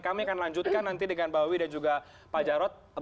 kami akan lanjutkan nanti dengan mbak wiwi dan juga pak jarod